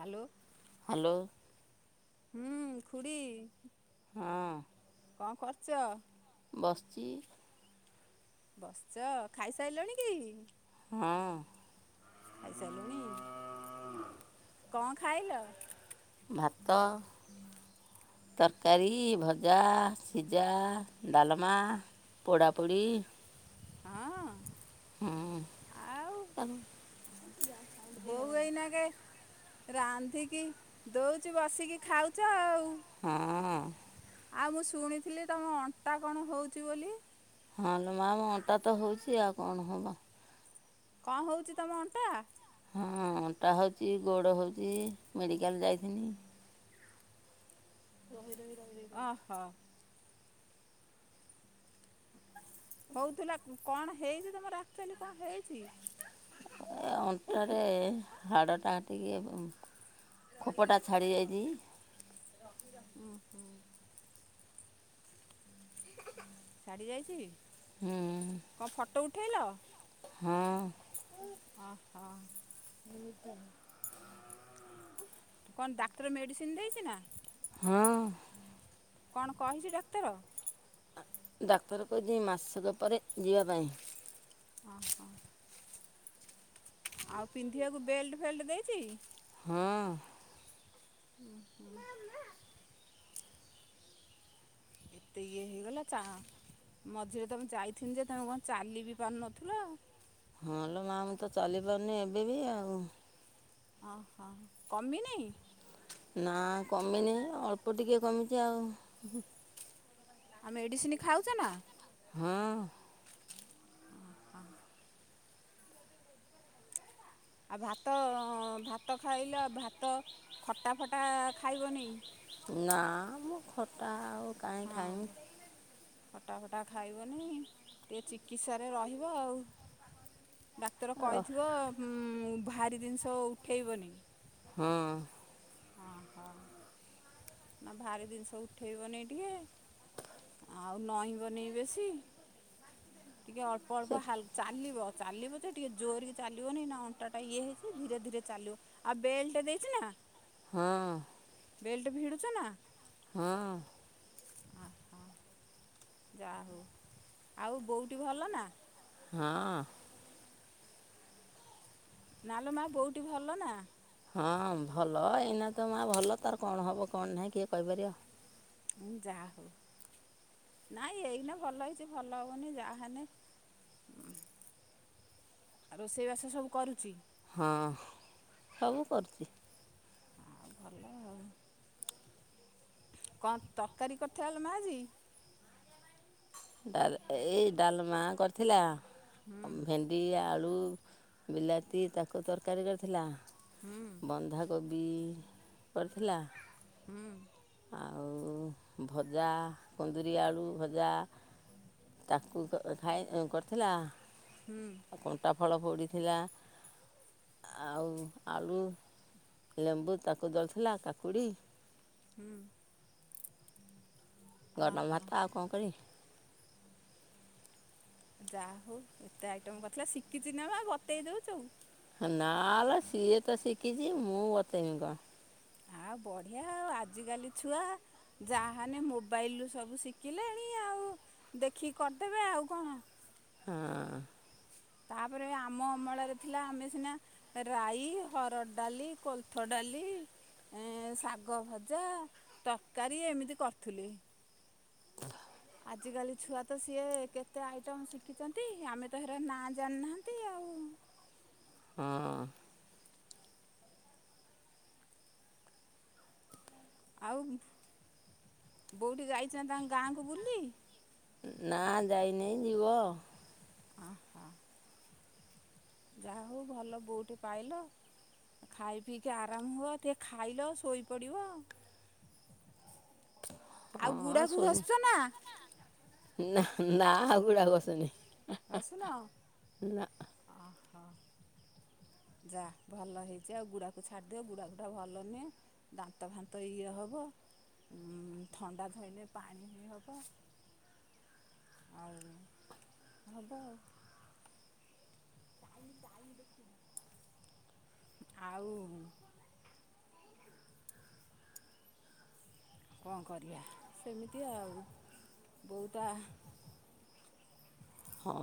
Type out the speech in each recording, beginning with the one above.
Hello. Hello. ହୁଁ, ଖୁଡୀ ହଁ। କଣ କରୁଚ? ବସ୍ଚି। ବସ୍ଚ, ଖାଇସାଇଲଣି କି? ହଁ। ଖାଇସାଇଲୁଣି? କଣ ଖାଇଲ? ଭାତ। ତରକାରୀ, ଭଜା, ସିଜା, ଡାଲମା। ପୋଡ଼ାପୁଡ଼ି। ହଁ। ଆଉ, ହଁ ବୋଉ ଏଇନା କେ ରାନ୍ଧିକି, ଦଉଚି ବସିକି ଖାଉଛ ଆଉ। ହଁ। ହଁ। ଆଉ, ମୁଁ ଶୁଣିଥିଲି, ତମ ଅଣ୍ଟା କଣ ହଉଛି ବୋଲି? ହଁ ଲୋ ମାଁ, ମୋ ଅଣ୍ଟା ତ ହଉଛି, ଆଉ କଣ ହବ? କଣ ହଉଛି ତମ ଅଣ୍ଟା? ହଁ, ଅଣ୍ଟା ହଉଛି ଗୋଡ଼ ହଉଛି ମେଡ଼ିକାଲ୍ ଯାଇଥିନି। ରହି ରହି ରହି ଅହ ହଉଥିଲା, କଣ ହେଇଛି ତମର ଆକ୍ଚୁଆଲି କଣ ହେଇଛି? ଏ ଅଣ୍ଟାରେ ହାଡ଼ଟା ଟିକେ ଖୋପଟା ଛାଡ଼ି ଯାଇଛି। ଉଁ, ହୁଁ। ଛାଡ଼ି ଯାଇଛି। ହୁଁ। କଣ ଫଟୋ ଉଠେଇଲ? ହଁ ଓହୋ କଣ ଡାକ୍ତର ମେଡିସିନ ଦେଇଛି ନା ହଁ କଣ କହିଛି ଡାକ୍ତର? ଡାକ୍ତର କଛିି ମାସକ ପରେ ଯିବା ପାଇଁ। ଓ ହୋ ଆଉ ପିନ୍ଧିବାକୁ ବେଲ୍ଟ ଫେଲ୍ଟ ଦେଇଛି। ହଁ ହୁଁ ହୁଁ ଏତେ ଇଏ ହେଇଗଲା ଚା ମଝିରେ ତମେ ଯାଇଥିନି ଯେ ତମେ କଣ ଚାଲି ବି ପାରୁନଥିଲ। ହଁ ହେଲୋ ମା ମୁଁ ତ ଚାଲିପାରୁନି ଏବେ ବି ଆଉ। ଓହ କମିନି। ନା କମିନି ଅଳ୍ପ ଟିକଏ କମିଛି ଆଉ। ଆଉ ମେଡିସିନ ଖାଉଛ ନା। ହଁ ଓ ହ ଆଉ ଭାତ ଭାତ ଖାଇଲେ ଆଉ ଭାତ ଖଟା ଫଟା ଖାଇବନି। ନା ମୁଁ ଖଟା ଆଉ କାହିଁ ହଁ ଖାଇଁବି। ଖଟା ଫଟା ଖାଇବନି ଟିକେ ଚିକିତ୍ସାରେ ରହିବ ଆଉ। ଡାକ୍ତର ର କହିଥିବ ଭାରି ଜିନିଷ ଉଠେଇବନି। ହଁ ଓହୋ ନା ଭାରି ଜିନିଷ ଉଠେଇବନି ଟିକେ। ଆଉ ନଈବନି ବେଶୀ ଟିକେ ଅଳ୍ପ ସେ ଅଳ୍ପା ଚାଲିବ। ଚାଲିବ ତ ଟିକେ ଜୋର କିି ଚାଲିବନି ନା ଅଣ୍ଟାଟା ଇଏ ହେଇଛି ଧୀରେ ଧୀରେ ଚାଲିବ। ଆଉ ବେଲ୍ଟା ଦେଇଛି ନା। ହଁ ବେଲ୍ଟ ଭିଡୁଛ ନା। ହଁ ଓ ହୋ ଯା ହଉ ଆଉ ବୋଉଟି ଭଲ ନା। ହଁ ନେଲେ ମା ବୋଉଟି ଭଲ ନା। ହଁ ଭଲ ଏଇନା ତ ମା ଭଲ ତାର କଣ ହେବ କଣ ନାହିଁ କିଏ କହିପାରିବ। ହେ ଯ ଆହୋ ନାଇଁ ଏଇନା ଭଲ ହେଇଛି ଭଲ ହବନି ଯାହେଲେ। ଉ ରୋଷେଇବାସ ସବୁ କରୁଛି। ହଁ ସବୁ କରୁଛି। ଆଉ ଭଲ ଆଉ କଣ ତରକାରୀ କଥା ହେଲା ମାଜି। ଡାଲ ଏଇ ଡାଲମା କରିଥିଲା ହୁଁ ଭେଣ୍ଡି ଆଳୁ ବିଲାତି ତାକୁ ତରକାରୀ କରିଥିଲା ହୁଁ ବନ୍ଧା କୋବି କରିଥିଲା ହୁଁ। ଆଉ ଭଜା, କନ୍ଦୁରି ଆଳୁ ଭଜା। ତାକୁ ଖାଇ କରଥିଲା। ହୁଁ। କଣ୍ଟା ଫଳ ପୋଡ଼ିଥିଲା ଆଉ ଆଳୁ ଲେମ୍ବୁ ତାକୁ ଦଳିଥିଲା କାକୁଡ଼ି ହୁଁ। ଗରମ ଅହ ଭାତ ଆଉ କଣ କରିମି? ଯାହା ହୋଉ ଏତେ ଆଇଟମ କରିଥିଲା ଶିକିଚି ନା ବା ବତେଇ ଦୋଉଚୁ। ନା ଲୋ ସିଏ ତ ଶିଖିଚି ମୁଁ ବତେଇମି କଣ। ଆ ବଢିଆ ଆଉ ଆଜିକାଲି ଛୁଆ। ଯାହାନେ ମୋବାଇଲରୁ ସବୁ ଶିଖିଲେଣି ଆଉ ଦେଖିକି କରଦେବେ ଆଉ କଣ। ହଁ। ତାପରେ ଆମ ଅମଳାରେ ଥିଲା ଆମେ ସିନା ରାଈ, ହରଡ଼ ଡାଲି, କୋଲଥ ଡାଲି ଏ ଶାଗ ଭଜା ତରକାରୀ ଏମିତି କରୁଥୁଲେ। ଆଜିକାଲି ଛୁଆ ତ ସିଏ କେତେ ଆଇଟମ୍ ଶିଖିଚନ୍ତି ଆମେ ତ ହେରା ନାଁ ଜାଣିନାହାନ୍ତି ଆଉ। ହଁ। ଆଉ ବୋଉଟି ଯାଇଚନ୍ତି ତାଙ୍କ ଗାଁକୁ ବୁଲି। ନା ଯାଇନେଇ ଯିବ। ଅଁହ। ଯାହା ହୋଉ ଭଲ ବୋଉଟି ପାଇଲ। ଖାଇ ପିଇକି ଆରାମ ହୁଅ ଟିକେ ଖାଇଲ ଶୋଇପଡିବ। ଆଉ ହଁ ଗୁଡ଼ାଖୁ ଘସୁଛ ନା ଶୋଇନି ନା ଗୁଢାକୁ ଘସେନି। ଘସୁନ ଅହୋ। ଯା ଭଲ ହେଇଚି ଆଉ ଗୁଡାକୁ ଛାଡଦିଅ ଗୁଡାକୁଟା ଭଲ ନୁହେଁ। ଦାନ୍ତ ଫାନ୍ତ ଇଏ ହବ ଉଁ ଥଣ୍ଡା ଧୋଇନେ ପାଣି ବି ହବ। ଆଉ ହବ ଆଉ। ଆଉ କଣ କରିବା ସେମିତି ଆଉ ବୋହୁ ତା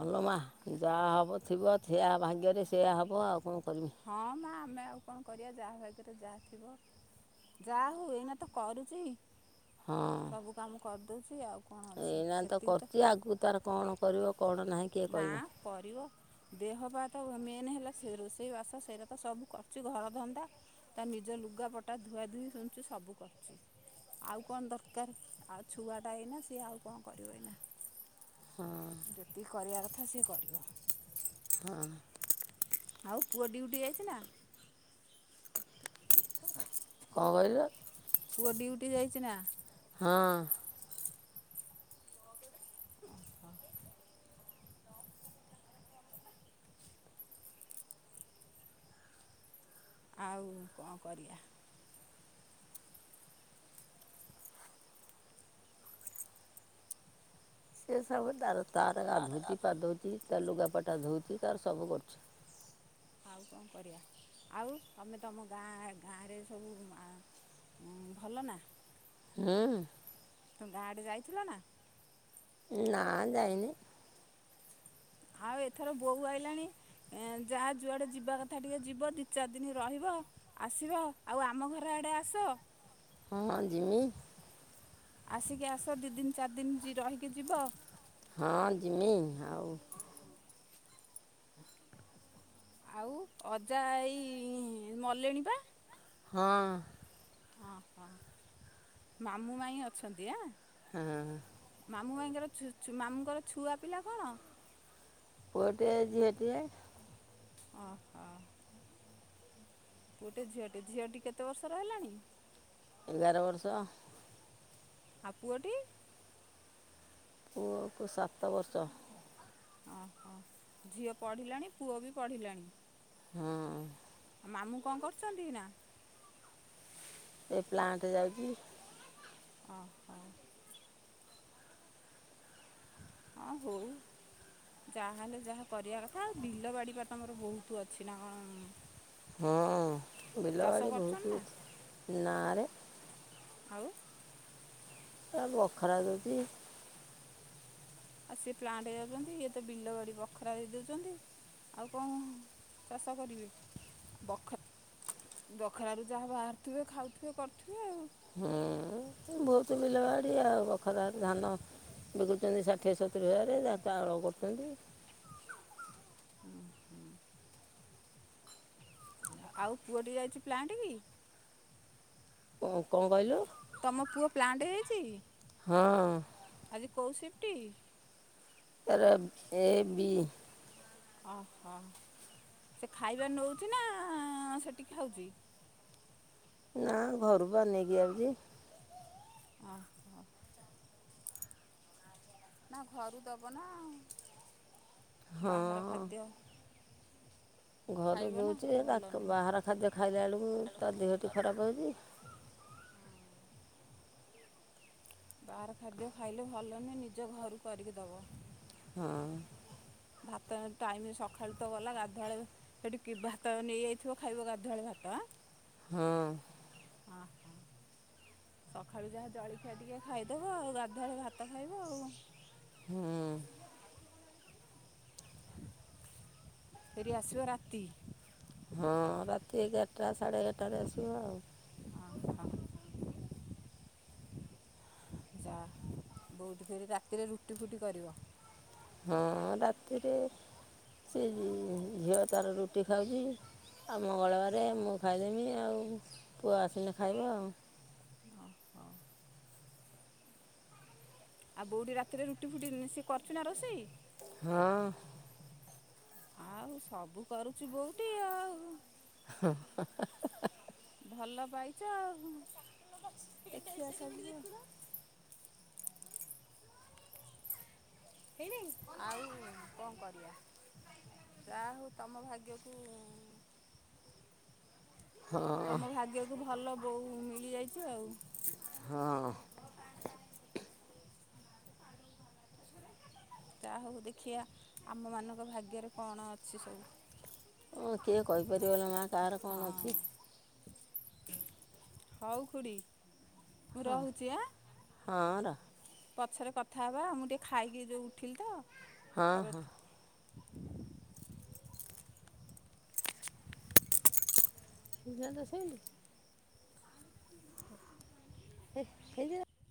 ହଁ ଲୋ ମାଆ ଯାହା ହବ ଥିବ ସେଆ ଭାଗ୍ୟରେ ସେୟା ହବ ଆଉ କଣ କରିମି। ହଁ ମା ଆମେ ଆଉ କଣ କରିବା ଯାହା ଭାଗରେ ଯାହା ଥିବ। ଯାହୋଉ ଏଇନା ତ କରୁଚି ହଁ ସବୁ କାମ କରିଦୋଉଚି ଆଉ। କ'ଣ ଅଛି ଏଇନା ତ ସେତିକି କରୁଚି ଆଗକୁ ତାର କଣ କରିବ କଣ ନାହିଁ କିଏ ନା କହିବ? କରିବ ଦେହପାଆ ତ ମେନ ହେଲା ସେ ରୋଷେଇ ବାସ। ତ ସେଇରା ତ ସବୁ କରଚି ଘର ଧନ୍ଦା। ତା ନିଜ ଲୁଗାପଟା ଧୁଆ ଧୁଇ ଶୁଣଚି ସବୁ କରଚି। ଆଉ କଣ ଦରକାର ଆଉ ଛୁଆଟା ଏଇନା ସିଏ ଆଉ କଣ କରିବ ଏଇନା। ଯେତିକି କରିବା କଥା ସିଏ କରିବ। ହଁ। ଆଉ ପୁଅ ଡ୍ୟୁଟି ଯାଇଚି ନା? କଣ କହିଲ? ପୁଅ ଡ୍ୟୁଟି ଯାଇଚି ନା? ହଁ। ଓହୋଃ। ଆଉ କଣ କରିବା। ସେ ସବୁ ତାର ତାର ଗାଧୋଉଛି ପାଧଉଛି ତା ଲୁଗାପଟା ଧୋଉଛି ତାର ସବୁ କରୁଛି। ଆଉ କଣ କରିବା, ଆଉ ତମେ ତମ ଗାଁଆ ଗାଆଁରେ ସବୁ ଆଁ ଭଲ ନା? ହୁଁ। ତମେ ଗାଆଁ ଆଡେ ଯାଇଥିଲ ନା? ନା ଯାଇନି। ଆଉ ଏଥର ବୋହୂ ଆଇଲାଣି ଏଁ ଯାହା ଯୁଆଡେ ଯିବା କଥା ଟିକେ ଯିବ ଦି ଚାରି ଦିନ ରହିବ ଆସିବ, ଆଉ ଆମ ଘର ଆଡ଼େ ଆସ? ହଁ ଯିମି। ଆସିକି ଆସ ଦି ଦିନ ଚାରି ଦିନ ଯି ରହିକି ଯିବ। ହଁ ଯିମି ହଉ। ଆଉ ଅଜା ଆଈ ମଲେଣି ପା? ହଁ। ଅ ହ, ମାମୁଁ ମାଇଁ ଅଛନ୍ତି ଆଁ? ହଁ। ମାମୁଁ ମାଇଁଙ୍କର ଛୁ ଛୁ ମାମୁଁଙ୍କର ଛୁଆ ପିଲା କଣ? ପୁଅଟିଏ ଝିଅଟିଏ। ଓହୋଃ। ପୁଅଟେ ଝିଅଟେ। ଝିଅଟି କେତେ ବର୍ଷର ହେଲାଣି? ଏଗାର ବର୍ଷ। ଆଉ ପୁଅଟି? ପୁଅକୁ ସାତ ବର୍ଷ। ଓହୋଃ, ଝିଅ ପଢ଼ିଲାଣି ପୁଅ ବି ପଢ଼ିଲାଣି? ହୁଁ। ଆଉ ମାମୁଁ କଣ କରୁଚନ୍ତି ଏଇନା? ଏଇ ପ୍ଲାଣ୍ଟ ଯାଉଛି। ଓହୋଃ। ହଁ ହଉ। ଯାହା ହେଲେ ଯାହା କରିବା କଥା ଆଉ ବିଲ ବାଡ଼ିି ପା ତମର ବହୁତ ଅଛି ନା କଣ? ଉଁ-ଉଁ ହୁଁ, ବିଲବାଡ଼ି କରୁଛନ୍ତି ବହୁତ ନା ଅଛି ନାଆଁରେ? ଆଉ? ଏ ବଖରା ଦୁଇଟି ଆଉ ସେ ପ୍ଲାଣ୍ଟ ଯାଉଛନ୍ତି ଇଏ ତ ବିଲ ବାଡି ବଖରା ଦେଇ ଦେଉଛନ୍ତି। ଆଉ କଣ ଚାଷ କରିବେ ବଖ ଦଖରାରୁୁ ଯାହା ବାହାରୁଥିବେ, ଖାଉଥିବେ, କରୁଥିବେ ଆଉ ହୁଁ-ଉଁ-ଉଁ ବହୁତ ବିଲ ବାଡି, ଆଉ ବଖରାରେ ଧାନ ବିକୁଛନ୍ତି ଷାଠିଏ ସତୁରି ହଜାରେ ଯାହା ଚାଉଳ କରୁଛନ୍ତି। ହୁଁ -ହୁଁ। ଆଉ ପୁଅଟିି ଯାଇଛି ପ୍ଲାଣ୍ଟ କି? କଣ କଣ କହିଲୁ? ତମ ପୁଅ ପ୍ଲାଣ୍ଟ ଯାଇଛି? ହଁ। ଆଜି କୋଉ ସିଫ୍ଟ? ଆର ଏ ବି। ଓହୋ ସେ ଖାଇବା ନଉଛି ନା ସେଠି ଖାଉଛି? ନା ଘରୁ ବା ନେଇକି ଆଉଛି। ଅଁ। ନା ଘରୁ ଦେବ ନା ଆଉ, ବାହାର ହଁ ଖାଦ୍ୟ ଘରୁ ଖାଇବ ନା ଦଉଛି ତା ଭଲ ନୁହେଁ ବାହାର ଖାଦ୍ୟ ଖାଇଲା ବେଳକୁ ତା ଦେହଟି ଖରାପ ହଉଛି। ବାହାର ଖାଦ୍ୟ ଖାଇଲେ ଭଲ ନୁହେଁ ନିଜ ଘରୁ କରିକି ଦବ। ହଁ। ଭାତ ଟାଇମ ରେ ସକାଳୁ ତ ଗଲା ଗାଧୁଆ ବେଳେ ସେଠି କି ଭାତ ନେଇ ଆଇଥିବ ଖାଇବ ଗାଧୁଆଳେ ଭାତ ଆଁ? ହଁ। ହଁ ସକାଳୁ ଯାହା ଜଳଖିଆ ଟିକେ ଖାଇଦବ ଆଉ ଗାଧୁଆଳେ ଭାତ ଖାଇବ ଆଉ। ହୁଁ। ଫେରି ଆସିବ ରାତି? ହଁ ରାତି ଏଗାରଟା ସାଢ଼େ ଏଗାରଟାରେ ଆସିବ ଆଉ। ଅଁ ହଁ ଯା ବୋଉଠି ଫେରେ ରାତିରେ ରୁଟି ଫୁଟି କରିବ? ହଁ ରାତିରେ ସେ ଝିଅ ତାର ରୁଟି ଖାଉଛି। ଆଉ ମଙ୍ଗଳବାରେ ମୁଁ ଖାଇଦେମି ଆଉ ପୁଅ ଆସିଲେ ଖାଇବ ଆଉ। ଓହୋ। ଆଉ ବଉଠି ରାତିରେ ରୁଟି ଫୁଟି ମିଶି କରୁଚି ନା ରୋଷେଇ? ହଁ। ଆଉ ସବୁ କରୁଛି ବୋଉଟି ଆଉ। ହଁ ହ ହ ଭଲ ପାଇଛ ଆଉ ଦେଖିବା ସବୁ ଆଉ। ହେଇନେଇଁ? ଆଉ କଣ କରିବା ଯାହା ହଉ ତମ ଭାଗ୍ୟକୁ ହଁ ତମ ଭାଗ୍ୟକୁ ଭଲ ବୋହୂ ମିଳିଯାଇଛି ଆଉ। ହଁ। ଯାହା ହଉ ଦେଖିବା ଆମମାନଙ୍କ ଭାଗ୍ୟରେ କଣ ଅଛି ସବୁ? ହଁ କିଏ କହିପାରିବ ନା ମା କାହାର କଣ ହଁ ଅଛି। ହଉ ଖୁଡ଼ି ମୁଁ ରହୁଛି ଆଁ। ହଁ ରହ। ପଛରେ କଥା ହବା ମୁଁ ଟିକେ ଖାଇକି ଯୋଉ ଉଠିଲି ତ ହଁ ହଁ ତାପରେ ବୁଧୁବାର ଦିନ ଶୋଇଲୁ? ଏ ହେଇ ଯୋ